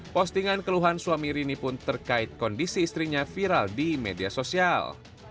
postingan keluhan suami rini pun terkait kondisi istrinya viral di media sosial